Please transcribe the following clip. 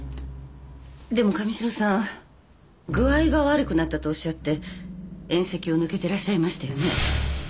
でも神代さん具合が悪くなったとおっしゃって宴席を抜けてらっしゃいましたよね？